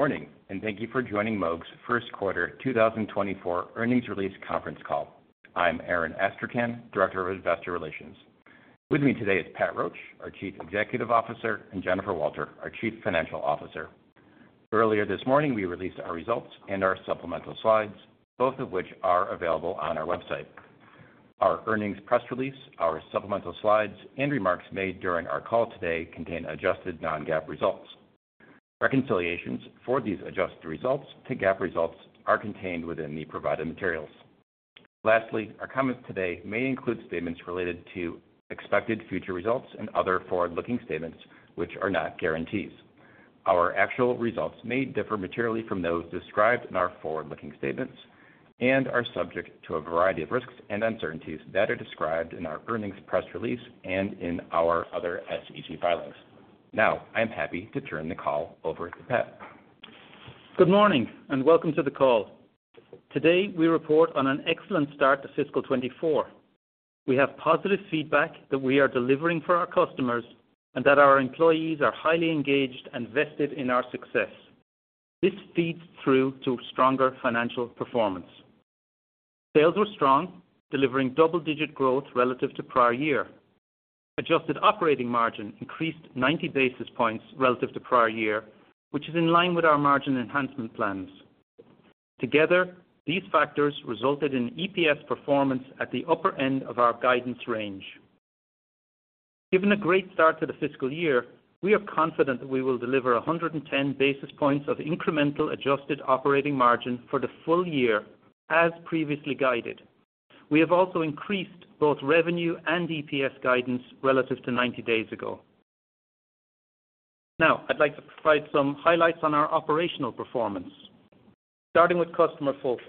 Good morning, and thank you for joining Moog's First Quarter 2024 Earnings Release Conference Call. I'm Aaron Astrachan, Director of Investor Relations. With me today is Pat Roche, our Chief Executive Officer, and Jennifer Walter, our Chief Financial Officer. Earlier this morning, we released our results and our supplemental slides, both of which are available on our website. Our earnings press release, our supplemental slides, and remarks made during our call today contain adjusted non-GAAP results. Reconciliations for these adjusted results to GAAP results are contained within the provided materials. Lastly, our comments today may include statements related to expected future results and other forward-looking statements which are not guarantees. Our actual results may differ materially from those described in our forward-looking statements and are subject to a variety of risks and uncertainties that are described in our earnings press release and in our other SEC filings. Now, I am happy to turn the call over to Pat. Good morning, and welcome to the call. Today, we report on an excellent start to fiscal 2024. We have positive feedback that we are delivering for our customers and that our employees are highly engaged and vested in our success. This feeds through to stronger financial performance. Sales were strong, delivering double-digit growth relative to prior year. Adjusted operating margin increased 90 basis points relative to prior year, which is in line with our margin enhancement plans. Together, these factors resulted in EPS performance at the upper end of our guidance range. Given a great start to the fiscal year, we are confident that we will deliver 110 basis points of incremental adjusted operating margin for the full year as previously guided. We have also increased both revenue and EPS guidance relative to 90 days ago. Now, I'd like to provide some highlights on our operational performance, starting with customer focus.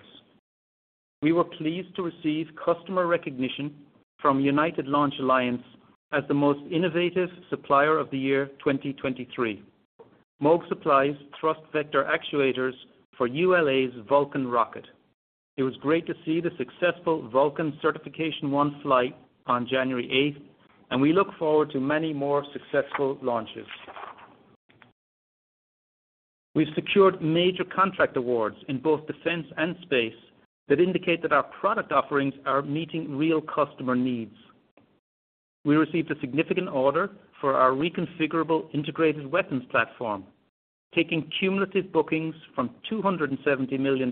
We were pleased to receive customer recognition from United Launch Alliance as the Most Innovative Supplier of the Year, 2023. Moog supplies thrust vector actuators for ULA's Vulcan rocket. It was great to see the successful Vulcan Certification-1 flight on January 8, and we look forward to many more successful launches. We've secured major contract awards in both defense and space that indicate that our product offerings are meeting real customer needs. We received a significant order for our Reconfigurable Integrated-weapons Platform, taking cumulative bookings from $270 million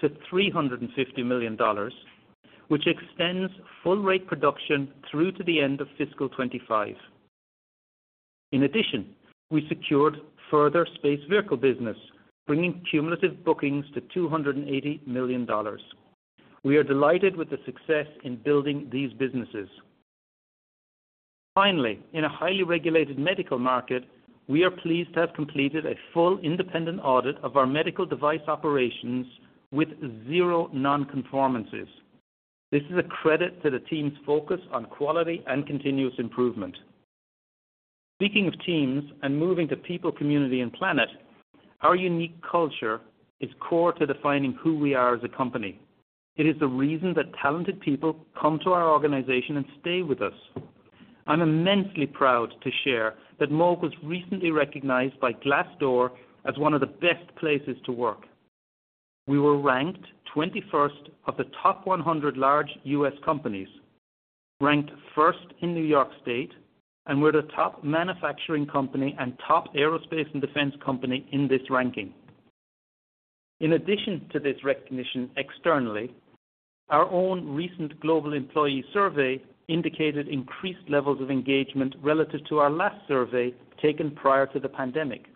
to $350 million, which extends full rate production through to the end of fiscal 2025. In addition, we secured further space vehicle business, bringing cumulative bookings to $280 million. We are delighted with the success in building these businesses. Finally, in a highly regulated medical market, we are pleased to have completed a full independent audit of our medical device operations with zero non-conformances. This is a credit to the team's focus on quality and continuous improvement. Speaking of teams and moving to people, community, and planet, our unique culture is core to defining who we are as a company. It is the reason that talented people come to our organization and stay with us. I'm immensely proud to share that Moog was recently recognized by Glassdoor as one of the best places to work. We were ranked 21st of the top 100 large U.S. companies, ranked 1st in New York State, and we're the top manufacturing company Aerospace and Defense company in this ranking. In addition to this recognition externally, our own recent global employee survey indicated increased levels of engagement relative to our last survey taken prior to the pandemic.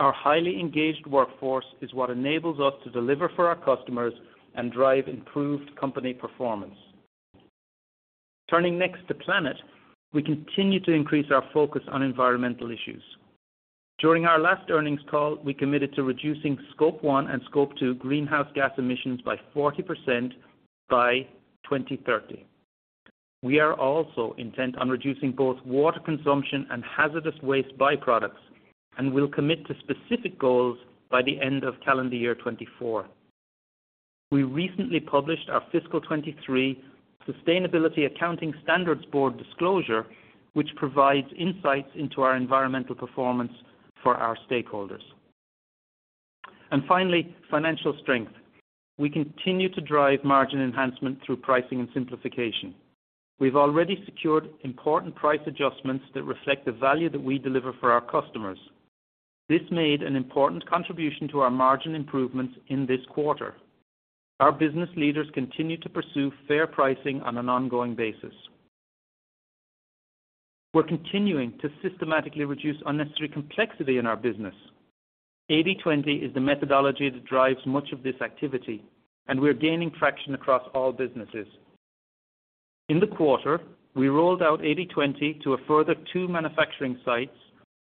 Our highly engaged workforce is what enables us to deliver for our customers and drive improved company performance. Turning next to planet, we continue to increase our focus on environmental issues. During our last earnings call, we committed to reducing Scope 1 and Scope 2 greenhouse gas emissions by 40% by 2030. We are also intent on reducing both water consumption and hazardous waste byproducts, and we'll commit to specific goals by the end of calendar year 2024. We recently published our fiscal 2023 Sustainability Accounting Standards Board disclosure, which provides insights into our environmental performance for our stakeholders. Finally, financial strength. We continue to drive margin enhancement through pricing and simplification. We've already secured important price adjustments that reflect the value that we deliver for our customers. This made an important contribution to our margin improvements in this quarter. Our business leaders continue to pursue fair pricing on an ongoing basis. We're continuing to systematically reduce unnecessary complexity in our business. 80/20 is the methodology that drives much of this activity, and we're gaining traction across all businesses. In the quarter, we rolled out 80/20 to a further two manufacturing sites,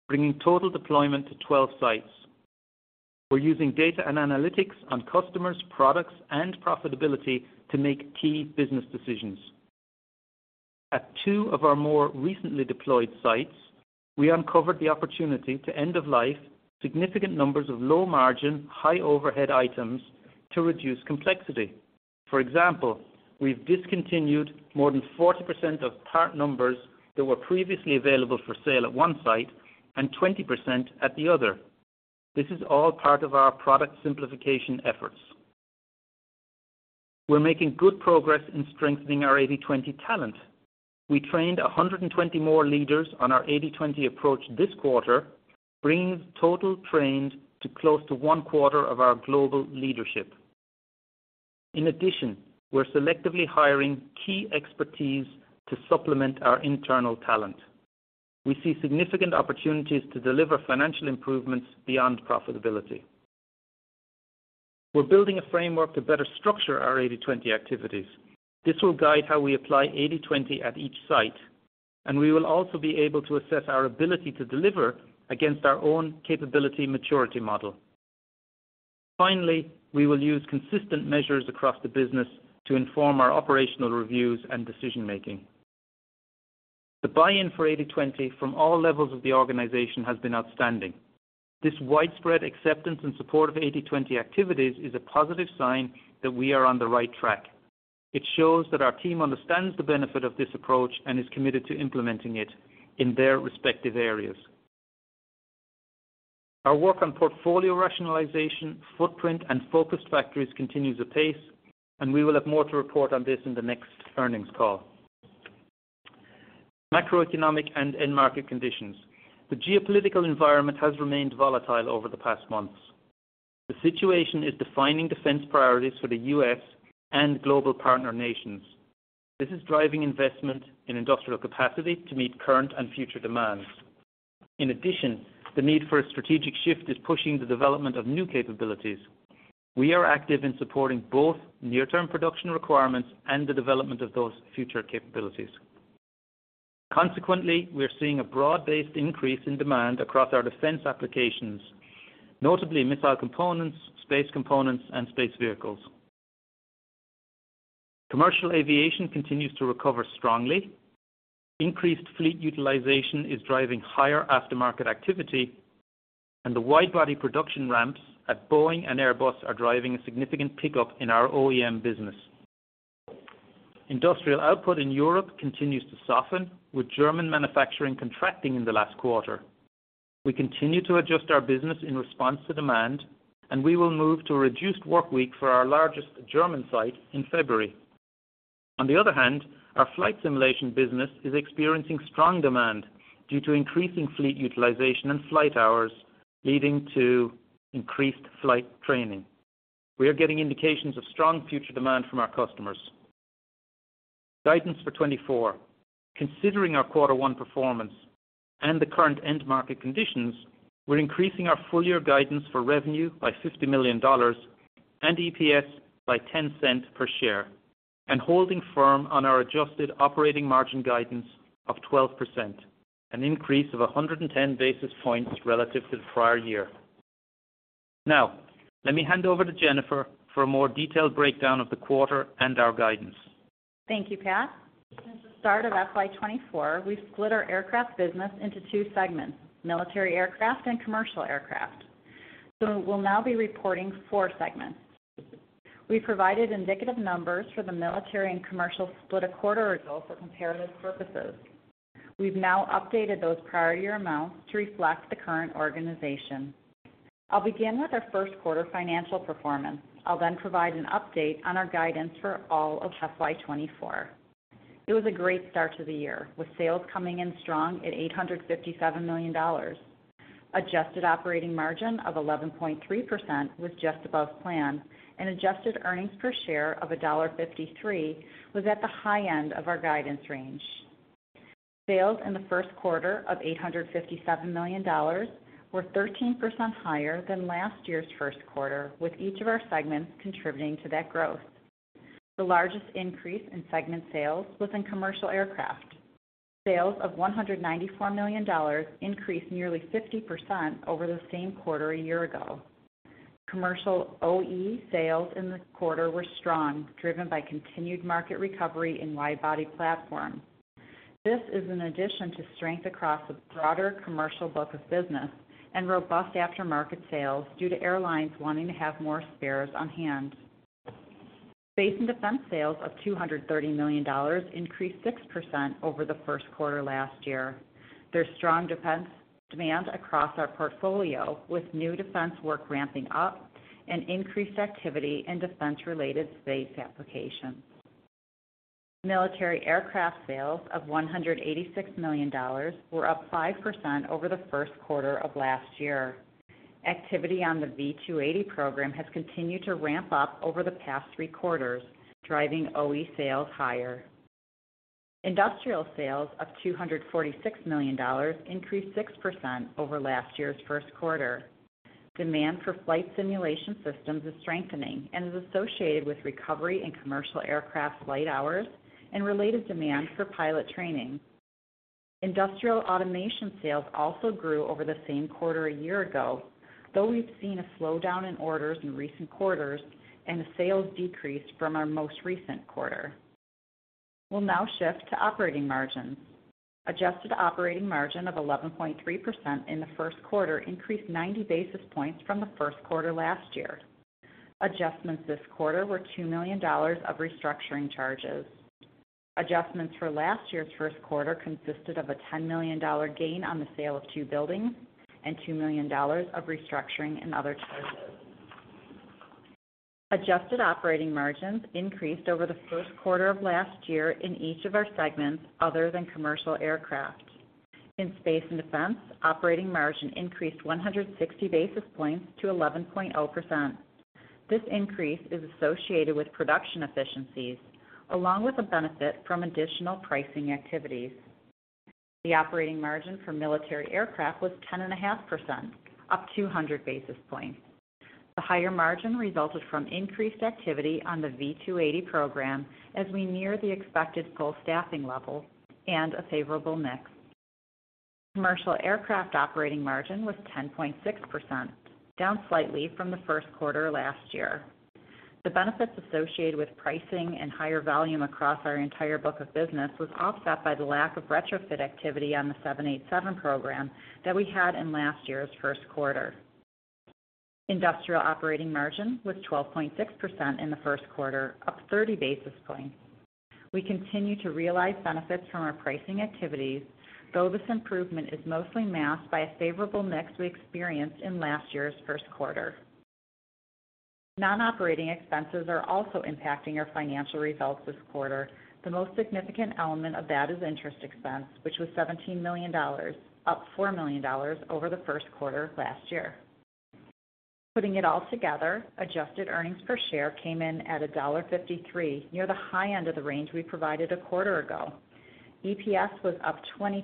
bringing total deployment to 12 sites. We're using data and analytics on customers, products, and profitability to make key business decisions. At two of our more recently deployed sites, we uncovered the opportunity to end of life significant numbers of low-margin, high-overhead items to reduce complexity. For example, we've discontinued more than 40% of part numbers that were previously available for sale at one site and 20% at the other. This is all part of our product simplification efforts. We're making good progress in strengthening our 80/20 talent. We trained 120 more leaders on our 80/20 approach this quarter, bringing total trained to close to one quarter of our global leadership. In addition, we're selectively hiring key expertise to supplement our internal talent. We see significant opportunities to deliver financial improvements beyond profitability. We're building a framework to better structure our 80/20 activities. This will guide how we apply 80/20 at each site, and we will also be able to assess our ability to deliver against our own capability maturity model. Finally, we will use consistent measures across the business to inform our operational reviews and decision-making. The buy-in for 80/20 from all levels of the organization has been outstanding. This widespread acceptance and support of 80/20 activities is a positive sign that we are on the right track. It shows that our team understands the benefit of this approach and is committed to implementing it in their respective areas. Our work on portfolio rationalization, footprint, and focused factories continues apace, and we will have more to report on this in the next earnings call. Macroeconomic and end-market conditions. The geopolitical environment has remained volatile over the past months. The situation is defining defense priorities for the U.S. and global partner nations. This is driving investment in industrial capacity to meet current and future demands. In addition, the need for a strategic shift is pushing the development of new capabilities. We are active in supporting both near-term production requirements and the development of those future capabilities. Consequently, we are seeing a broad-based increase in demand across our defense applications, notably missile components, space components, and space vehicles. Commercial aviation continues to recover strongly. Increased fleet utilization is driving higher aftermarket activity, and the wide-body production ramps at Boeing and Airbus are driving a significant pickup in our OEM business. Industrial output in Europe continues to soften, with German manufacturing contracting in the last quarter. We continue to adjust our business in response to demand, and we will move to a reduced workweek for our largest German site in February. On the other hand, our flight simulation business is experiencing strong demand due to increasing fleet utilization and flight hours, leading to increased flight training. We are getting indications of strong future demand from our customers. Guidance for 2024. Considering our Quarter One performance and the current end-market conditions, we're increasing our full-year guidance for revenue by $50 million and EPS by $0.10 per share, and holding firm on our adjusted operating margin guidance of 12%, an increase of 110 basis points relative to the prior year. Now, let me hand over to Jennifer for a more detailed breakdown of the quarter and our guidance. Thank you, Pat. Since the start of FY 2024, we've split our aircraft business into two segments: Military Aircraft and Commercial Aircraft. So we'll now be reporting four segments. We provided indicative numbers for the military and commercial split a quarter ago for comparative purposes. We've now updated those prior year amounts to reflect the current organization. I'll begin with our first quarter financial performance. I'll then provide an update on our guidance for all of FY 2024. It was a great start to the year, with sales coming in strong at $857 million. Adjusted operating margin of 11.3% was just above plan, and adjusted earnings per share of $1.53 was at the high end of our guidance range. Sales in the first quarter of $857 million were 13% higher than last year's first quarter, with each of our segments contributing to that growth. The largest increase in segment sales was in Commercial Aircraft. Sales of $194 million increased nearly 50% over the same quarter a year ago. Commercial OE sales in the quarter were strong, driven by continued market recovery in wide-body platforms. This is in addition to strength across the broader commercial book of business and robust aftermarket sales due to airlines wanting to have more spares on hand. Space and Defense sales of $230 million increased 6% over the first quarter last year. There's strong defense demand across our portfolio, with new defense work ramping up and increased activity in defense-related space applications. Military Aircraft sales of $186 million were up 5% over the first quarter of last year. Activity on the V-280 program has continued to ramp up over the past three quarters, driving OE sales higher. Industrial sales of $246 million increased 6% over last year's first quarter. Demand for flight simulation systems is strengthening and is associated with recovery in Commercial Aircraft flight hours and related demand for pilot training. Industrial automation sales also grew over the same quarter a year ago, though we've seen a slowdown in orders in recent quarters and a sales decrease from our most recent quarter. We'll now shift to operating margins. Adjusted operating margin of 11.3% in the first quarter increased 90 basis points from the first quarter last year. Adjustments this quarter were $2 million of restructuring charges. Adjustments for last year's first quarter consisted of a $10 million gain on the sale of two buildings and $2 million of restructuring and other charges. Adjusted operating margins increased over the first quarter of last year in each of our segments other than Commercial Aircraft. In Space and Defense, operating margin increased 160 basis points to 11.0%. This increase is associated with production efficiencies, along with a benefit from additional pricing activities. The operating margin for Military Aircraft was 10.5%, up 200 basis points. The higher margin resulted from increased activity on the V-280 program as we near the expected full staffing level and a favorable mix. Commercial Aircraft operating margin was 10.6%, down slightly from the first quarter last year. The benefits associated with pricing and higher volume across our entire book of business was offset by the lack of retrofit activity on the 787 program that we had in last year's first quarter. Industrial operating margin was 12.6% in the first quarter, up 30 basis points. We continue to realize benefits from our pricing activities, though this improvement is mostly masked by a favorable mix we experienced in last year's first quarter. Non-operating expenses are also impacting our financial results this quarter. The most significant element of that is interest expense, which was $17 million, up $4 million over the first quarter of last year. Putting it all together, adjusted earnings per share came in at $1.53, near the high end of the range we provided a quarter ago. EPS was up 22%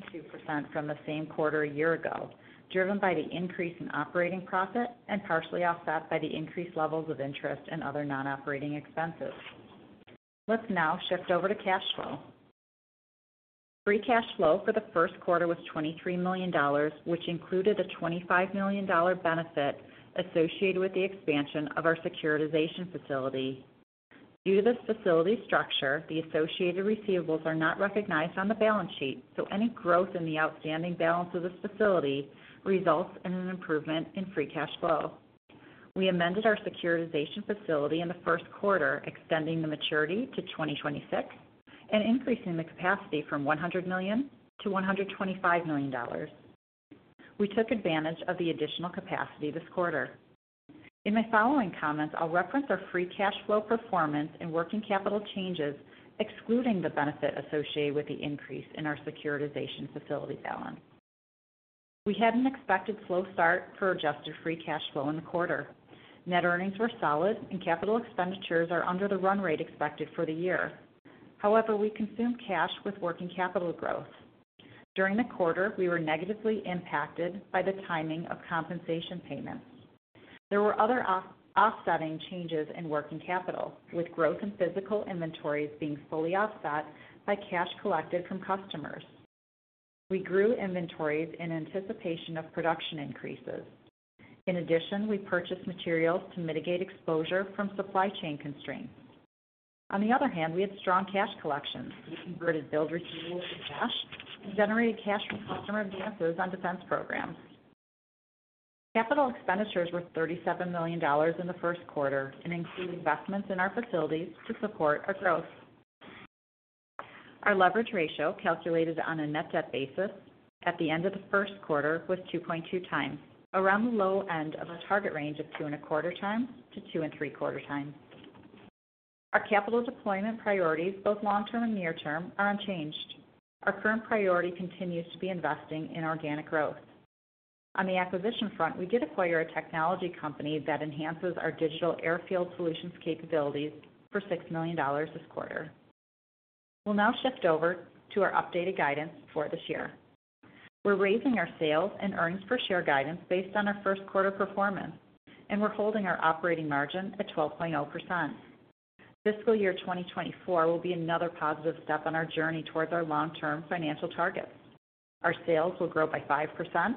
from the same quarter a year ago, driven by the increase in operating profit and partially offset by the increased levels of interest and other non-operating expenses. Let's now shift over to cash flow. Free cash flow for the first quarter was $23 million, which included a $25 million benefit associated with the expansion of our securitization facility. Due to this facility structure, the associated receivables are not recognized on the balance sheet, so any growth in the outstanding balance of this facility results in an improvement in free cash flow. We amended our securitization facility in the first quarter, extending the maturity to 2026 and increasing the capacity from $100 million to $125 million. We took advantage of the additional capacity this quarter. In my following comments, I'll reference our Free Cash Flow performance and working capital changes, excluding the benefit associated with the increase in our Securitization Facility balance. We had an expected slow start for adjusted Free Cash Flow in the quarter. Net earnings were solid and capital expenditures are under the run rate expected for the year. However, we consumed cash with working capital growth. During the quarter, we were negatively impacted by the timing of compensation payments. There were other offsetting changes in working capital, with growth in physical inventories being fully offset by cash collected from customers. We grew inventories in anticipation of production increases. In addition, we purchased materials to mitigate exposure from supply chain constraints. On the other hand, we had strong cash collections. We converted billed receivables to cash and generated cash from customer advances on defense programs. Capital expenditures were $37 million in the first quarter and include investments in our facilities to support our growth. Our leverage ratio, calculated on a net debt basis at the end of the first quarter, was 2.2 times, around the low end of our target range of 2.25-2.75 times. Our capital deployment priorities, both long term and near term, are unchanged. Our current priority continues to be investing in organic growth. On the acquisition front, we did acquire a technology company that enhances our Digital Airfield Solutions capabilities for $6 million this quarter. We'll now shift over to our updated guidance for this year. We're raising our sales and earnings per share guidance based on our first quarter performance, and we're holding our operating margin at 12.0%. Fiscal year 2024 will be another positive step on our journey towards our long-term financial targets. Our sales will grow by 5%,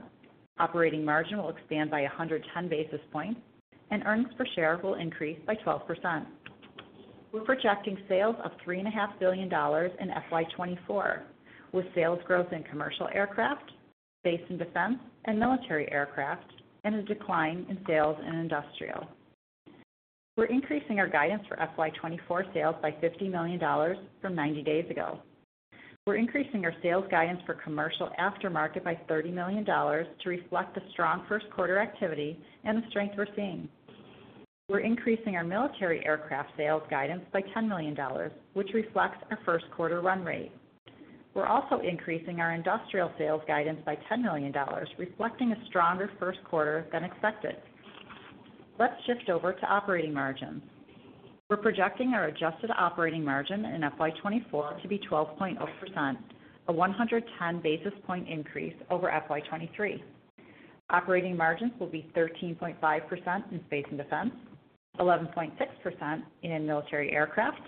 operating margin will expand by 110 basis points, and earnings per share will increase by 12%. We're projecting sales of $3.5 billion in FY 2024, with sales growth in Commercial Aircraft, Space and Defense and Military Aircraft, and a decline in sales in industrial. We're increasing our guidance for FY 2024 sales by $50 million from 90 days ago. We're increasing our sales guidance for commercial aftermarket by $30 million to reflect the strong first quarter activity and the strength we're seeing. We're increasing our Military Aircraft sales guidance by $10 million, which reflects our first quarter run rate. We're also increasing our industrial sales guidance by $10 million, reflecting a stronger first quarter than expected. Let's shift over to operating margins. We're projecting our adjusted operating margin in FY 2024 to be 12.0%, a 110 basis point increase over FY 2023. Operating margins will be 13.5% in Space and Defense, 11.6% in Military Aircraft,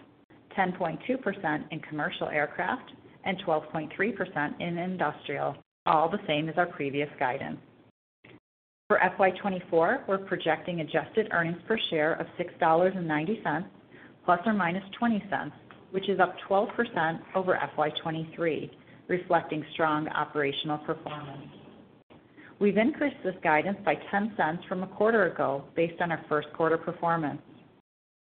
10.2% in Commercial Aircraft, and 12.3% in industrial, all the same as our previous guidance.... For FY 2024, we're projecting adjusted earnings per share of $6.90, ±20 cents, which is up 12% over FY 2023, reflecting strong operational performance. We've increased this guidance by 10 cents from a quarter ago based on our first quarter performance.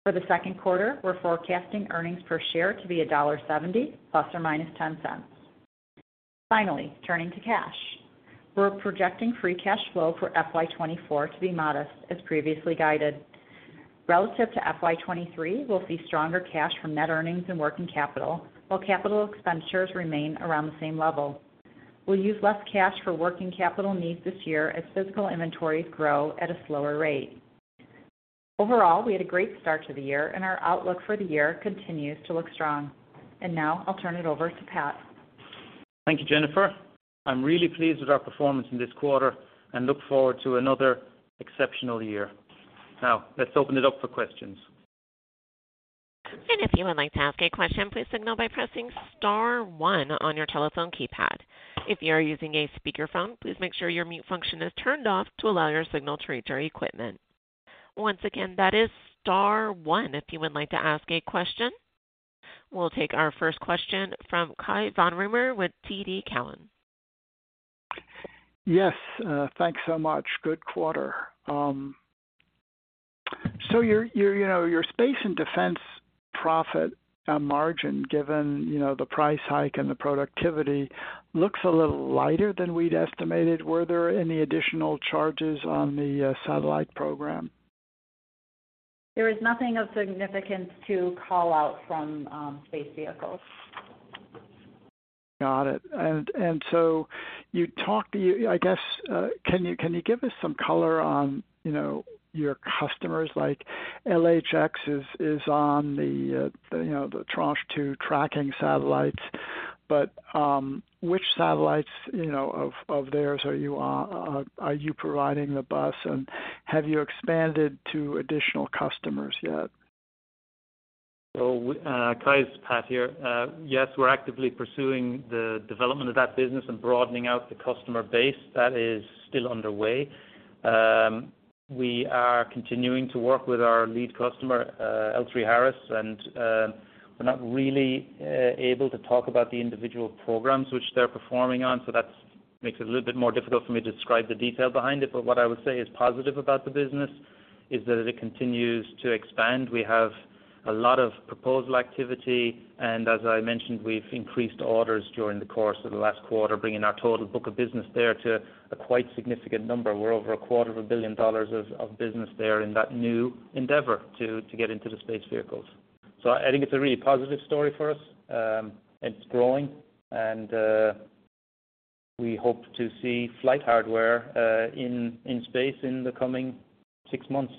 For the second quarter, we're forecasting earnings per share to be $1.70 ± $0.10. Finally, turning to cash. We're projecting free cash flow for FY 2024 to be modest, as previously guided. Relative to FY 2023, we'll see stronger cash from net earnings and working capital, while capital expenditures remain around the same level. We'll use less cash for working capital needs this year as physical inventories grow at a slower rate. Overall, we had a great start to the year and our outlook for the year continues to look strong. And now I'll turn it over to Pat. Thank you, Jennifer. I'm really pleased with our performance in this quarter and look forward to another exceptional year. Now, let's open it up for questions. If you would like to ask a question, please signal by pressing star one on your telephone keypad. If you are using a speakerphone, please make sure your mute function is turned off to allow your signal to reach our equipment. Once again, that is star one if you would like to ask a question. We'll take our first question from Cai von Rumohr with TD Cowen. Yes, thanks so much. Good quarter. So your, you know, your Space and Defense profit margin, given, you know, the price hike and the productivity looks a little lighter than we'd estimated. Were there any additional charges on the satellite program? There is nothing of significance to call out from space vehicles. Got it. And so you talked, I guess, can you give us some color on, you know, your customers like LHX is on the, you know, the Tranche 2 tracking satellites. But which satellites, you know, of theirs are you providing the bus, and have you expanded to additional customers yet? So, Cai, it's Pat here. Yes, we're actively pursuing the development of that business and broadening out the customer base. That is still underway. We are continuing to work with our lead customer, L3Harris, and we're not really able to talk about the individual programs which they're performing on. So that makes it a little bit more difficult for me to describe the detail behind it. But what I would say is positive about the business is that as it continues to expand, we have a lot of proposal activity. And as I mentioned, we've increased orders during the course of the last quarter, bringing our total book of business there to a quite significant number. We're over $250 million of business there in that new endeavor to get into the space vehicles. So I think it's a really positive story for us. It's growing, and we hope to see flight hardware in space in the coming six months.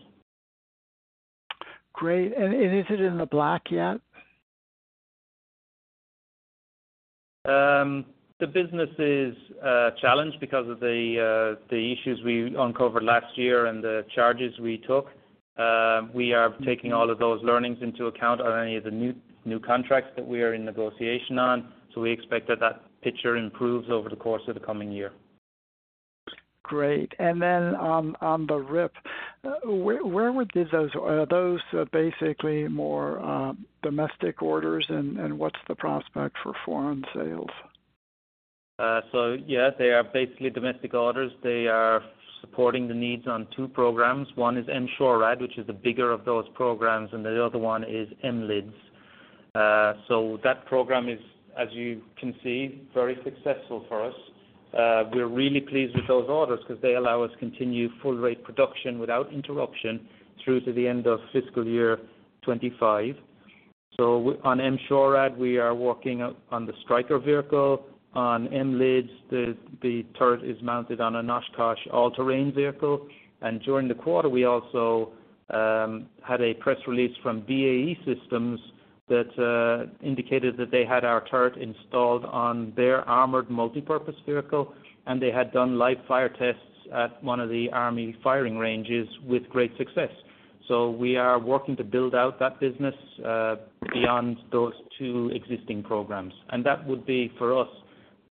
Great. And is it in the black yet? The business is challenged because of the issues we uncovered last year and the charges we took. We are taking all of those learnings into account on any of the new contracts that we are in negotiation on. So we expect that picture improves over the course of the coming year. Great. And then, on the RIwP, are those basically more domestic orders, and what's the prospect for foreign sales? So yeah, they are basically domestic orders. They are supporting the needs on two programs. One is M-SHORAD, which is the bigger of those programs, and the other one is M-LIDS. So that program is, as you can see, very successful for us. We're really pleased with those orders because they allow us to continue full rate production without interruption through to the end of fiscal year 2025. So on M-SHORAD, we are working on the Stryker vehicle. On M-LIDS, the turret is mounted on a Oshkosh all-terrain vehicle. And during the quarter, we also had a press release from BAE Systems that indicated that they had our turret installed on their Armored Multi-Purpose Vehicle, and they had done live fire tests at one of the army firing ranges with great success. So we are working to build out that business, beyond those two existing programs. And that would be, for us,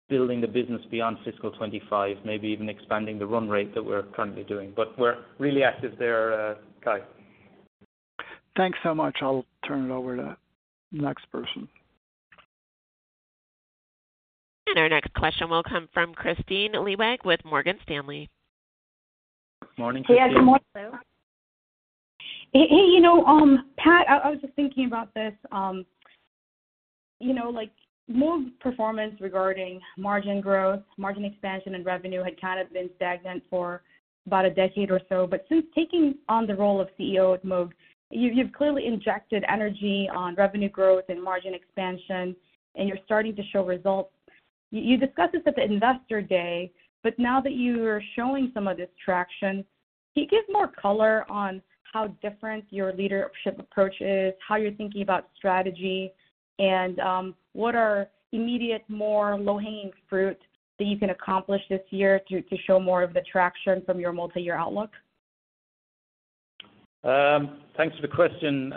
building the business beyond fiscal 25, maybe even expanding the run rate that we're currently doing. But we're really active there, Cai. Thanks so much. I'll turn it over to the next person. Our next question will come from Kristine Liwag with Morgan Stanley. Morning, Kristine. Hey, guys, good morning. Hey, hey, you know, Pat, I was just thinking about this, you know, like, Moog's performance regarding margin growth, margin expansion and revenue had kind of been stagnant for about a decade or so. But since taking on the role of CEO at Moog, you've clearly injected energy on revenue growth and margin expansion, and you're starting to show results. You discussed this at the Investor Day, but now that you are showing some of this traction, can you give more color on how different your leadership approach is, how you're thinking about strategy, and what are immediate, more low-hanging fruit that you can accomplish this year to show more of the traction from your multiyear outlook? ... Thanks for the question,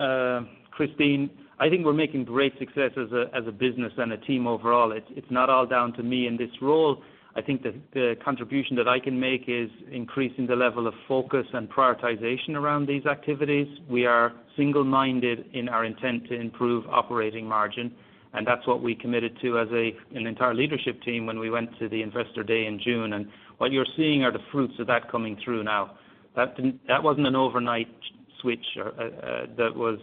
Kristine. I think we're making great success as a business and a team overall. It's not all down to me in this role. I think the contribution that I can make is increasing the level of focus and prioritization around these activities. We are single-minded in our intent to improve operating margin, and that's what we committed to as an entire leadership team when we went to the Investor Day in June. And what you're seeing are the fruits of that coming through now. That wasn't an overnight switch, that was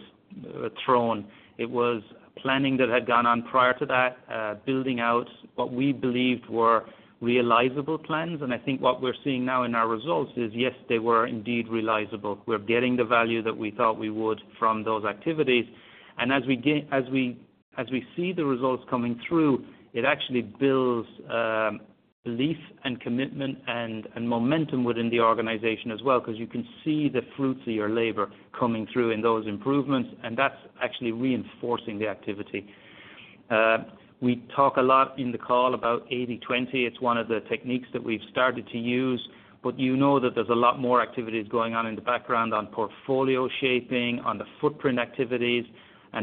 thrown. It was planning that had gone on prior to that, building out what we believed were realizable plans. And I think what we're seeing now in our results is, yes, they were indeed realizable. We're getting the value that we thought we would from those activities. As we see the results coming through, it actually builds belief and commitment and momentum within the organization as well, because you can see the fruits of your labor coming through in those improvements, and that's actually reinforcing the activity. We talk a lot in the call about 80/20. It's one of the techniques that we've started to use, but you know that there's a lot more activities going on in the background on portfolio shaping, on the footprint activities.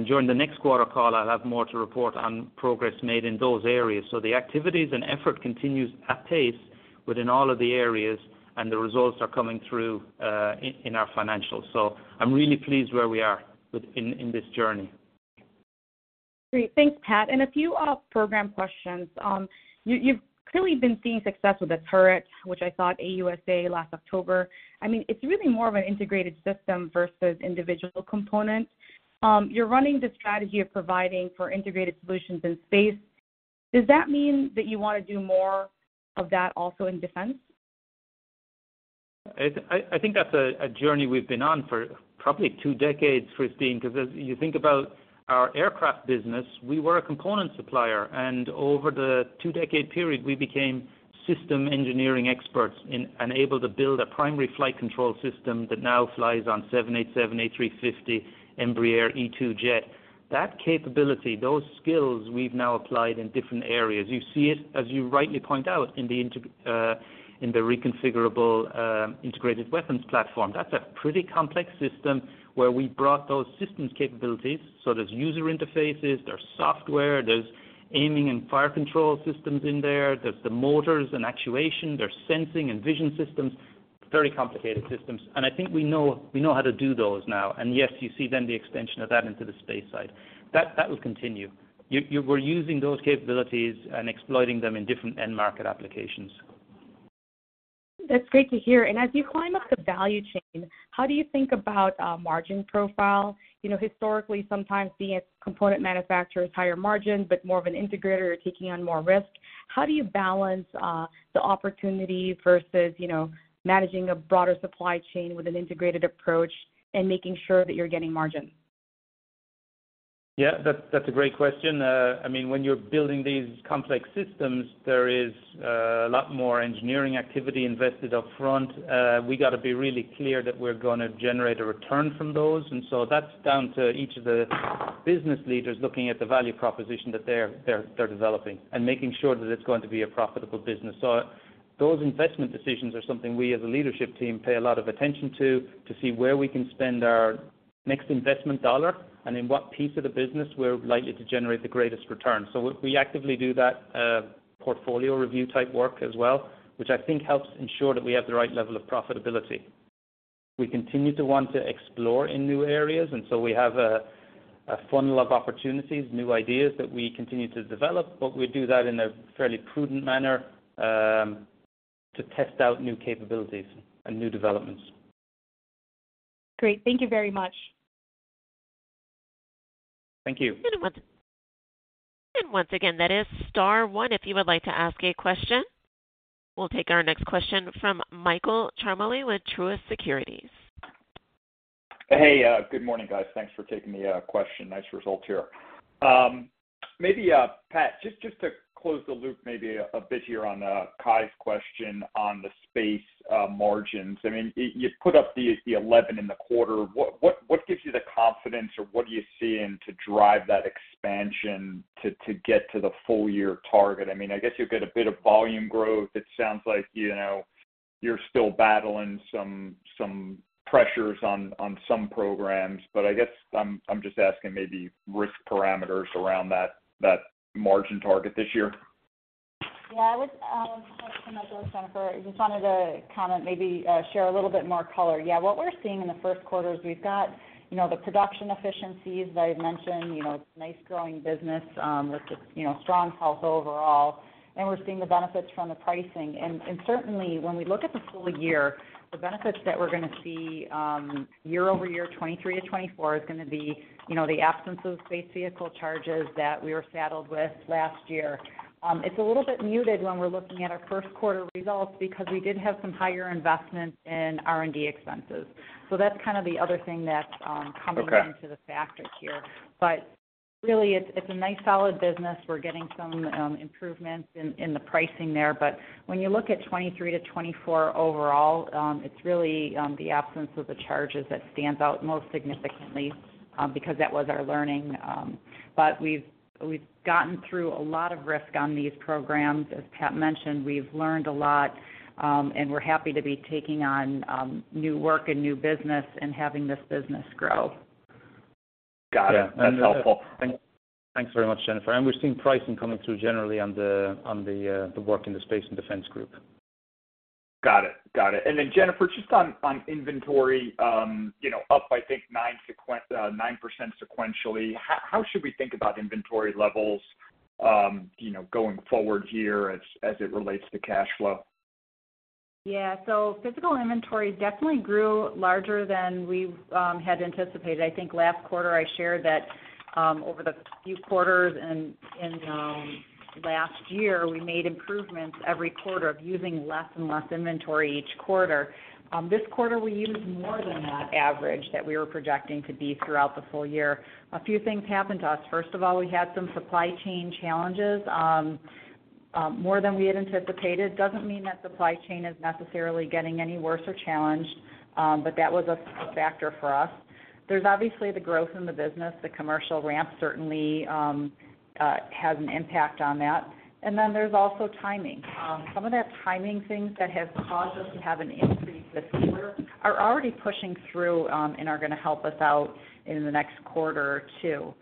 During the next quarter call, I'll have more to report on progress made in those areas. The activities and effort continues at pace within all of the areas, and the results are coming through in our financials. So I'm really pleased where we are within this journey. Great. Thanks, Pat. And a few program questions. You’ve clearly been seeing success with the turret, which I saw at AUSA last October. I mean, it’s really more of an integrated system versus individual components. You’re running the strategy of providing for integrated solutions in space. Does that mean that you want to do more of that also in defense? I think that's a journey we've been on for probably two decades, Kristine, because as you think about our aircraft business, we were a component supplier, and over the two-decade period, we became system engineering experts in... and able to build a primary flight control system that now flies on 787, A350, Embraer E2 jet. That capability, those skills, we've now applied in different areas. You see it, as you rightly point out, in the Reconfigurable Integrated-weapons Platform. That's a pretty complex system where we brought those systems capabilities. So there's user interfaces, there's software, there's aiming and fire control systems in there. There's the motors and actuation. There's sensing and vision systems. Very complicated systems. And I think we know, we know how to do those now. Yes, you see then the extension of that into the space side. That, that will continue. You, you were using those capabilities and exploiting them in different end market applications. That's great to hear. And as you climb up the value chain, how do you think about, margin profile? You know, historically, sometimes being a component manufacturer is higher margin, but more of an integrator, you're taking on more risk. How do you balance, the opportunity versus, you know, managing a broader supply chain with an integrated approach and making sure that you're getting margin? Yeah, that's a great question. I mean, when you're building these complex systems, there is a lot more engineering activity invested upfront. We got to be really clear that we're gonna generate a return from those. And so that's down to each of the business leaders looking at the value proposition that they're developing and making sure that it's going to be a profitable business. So those investment decisions are something we, as a leadership team, pay a lot of attention to see where we can spend our next investment dollar and in what piece of the business we're likely to generate the greatest return. So we actively do that, portfolio review type work as well, which I think helps ensure that we have the right level of profitability. We continue to want to explore in new areas, and so we have a funnel of opportunities, new ideas that we continue to develop, but we do that in a fairly prudent manner, to test out new capabilities and new developments. Great. Thank you very much. Thank you. Once again, that is star one, if you would like to ask a question. We'll take our next question from Michael Ciarmoli with Truist Securities. Hey, good morning, guys. Thanks for taking the question. Nice results here. Maybe Pat, just to close the loop maybe a bit here on Cai's question on the space margins. I mean, you put up the 11% in the quarter. What gives you the confidence, or what are you seeing to drive that expansion to get to the full year target? I mean, I guess you'll get a bit of volume growth. It sounds like, you know, you're still battling some pressures on some programs, but I guess I'm just asking maybe risk parameters around that margin target this year. Yeah, I would, I just wanted to comment, maybe, share a little bit more color. Yeah, what we're seeing in the first quarter is we've got, you know, the production efficiencies that I've mentioned, you know, nice growing business, with the, you know, strong health overall, and we're seeing the benefits from the pricing. And certainly, when we look at the full year, the benefits that we're gonna see, year over year, 2023 to 2024, is gonna be, you know, the absence of space vehicle charges that we were saddled with last year. It's a little bit muted when we're looking at our first quarter results because we did have some higher investments in R&D expenses. So that's kind of the other thing that's, coming- Okay. - into the factors here. But really, it's, it's a nice, solid business. We're getting some improvements in the pricing there, but when you look at 2023-2024 overall, it's really the absence of the charges that stands out most significantly, because that was our learning. But we've gotten through a lot of risk on these programs. As Pat mentioned, we've learned a lot, and we're happy to be taking on new work and new business and having this business grow.... Got it. That's helpful. Thanks very much, Jennifer. We're seeing pricing coming through generally on the work in the Space and Defense group. Got it. Got it. And then, Jennifer, just on inventory, you know, up I think 9% sequentially. How should we think about inventory levels, you know, going forward here as it relates to cash flow? Yeah, so physical inventory definitely grew larger than we had anticipated. I think last quarter I shared that, over the few quarters and in last year, we made improvements every quarter of using less and less inventory each quarter. This quarter, we used more than that average that we were projecting to be throughout the full year. A few things happened to us. First of all, we had some supply chain challenges, more than we had anticipated. Doesn't mean that supply chain is necessarily getting any worse or challenged, but that was a factor for us. There's obviously the growth in the business. The commercial ramp certainly has an impact on that. And then there's also timing. Some of that timing things that have caused us to have an increase this quarter are already pushing through, and are gonna help us out in the next quarter or two.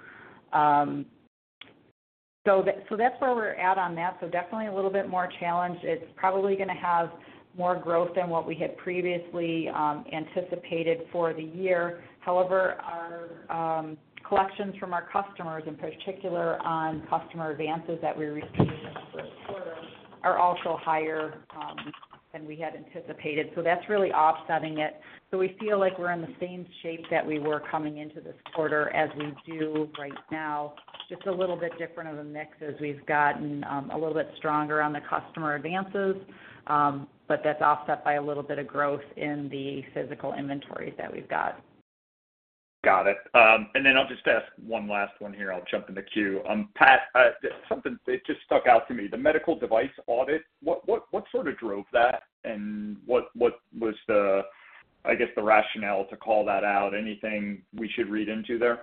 So that, so that's where we're at on that. So definitely a little bit more challenged. It's probably gonna have more growth than what we had previously, anticipated for the year. However, our, collections from our customers, in particular on customer advances that we received this first quarter, are also higher, than we had anticipated, so that's really offsetting it. So we feel like we're in the same shape that we were coming into this quarter as we do right now. Just a little bit different of a mix as we've gotten, a little bit stronger on the customer advances. But that's offset by a little bit of growth in the physical inventories that we've got. Got it. And then I'll just ask one last one here. I'll jump in the queue. Pat, something it just stuck out to me, the medical device audit, what, what, what sort of drove that, and what, what was the, I guess, the rationale to call that out? Anything we should read into there?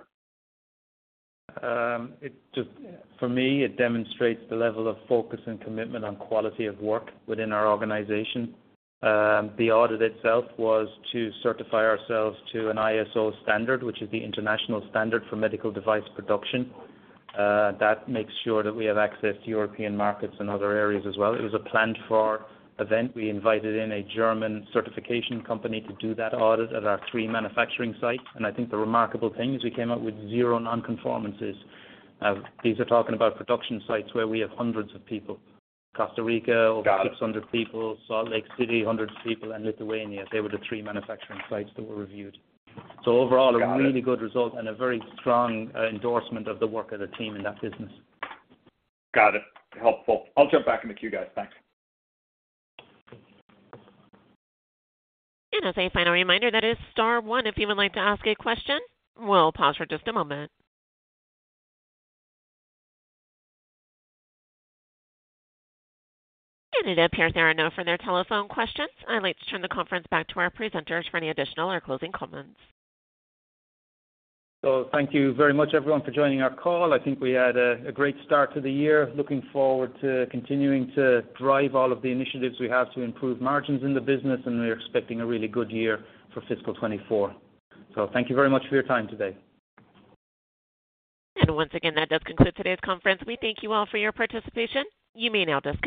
For me, it demonstrates the level of focus and commitment on quality of work within our organization. The audit itself was to certify ourselves to an ISO standard, which is the international standard for medical device production. That makes sure that we have access to European markets and other areas as well. It was a planned for event. We invited in a German certification company to do that audit at our three manufacturing sites, and I think the remarkable thing is we came out with zero non-conformances. These are talking about production sites where we have hundreds of people. Costa Rica. Got it. Over 600 people, Salt Lake City, hundreds of people, and Lithuania. They were the three manufacturing sites that were reviewed. Got it. So overall, a really good result and a very strong endorsement of the work of the team in that business. Got it. Helpful. I'll jump back in the queue, guys. Thanks. As a final reminder, that is star one if you would like to ask a question. We'll pause for just a moment. It appears there are no further telephone questions. I'd like to turn the conference back to our presenters for any additional or closing comments. So thank you very much, everyone, for joining our call. I think we had a great start to the year. Looking forward to continuing to drive all of the initiatives we have to improve margins in the business, and we're expecting a really good year for fiscal 2024. So thank you very much for your time today. Once again, that does conclude today's conference. We thank you all for your participation. You may now disconnect.